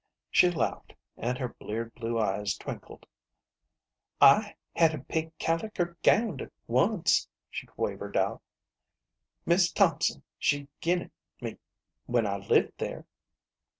She laughed, and her bleared blue eyes twinkled. " I had a pink caliker gownd once," she quavered out. " Mis 1 Thompson, she gin it me when I lived there."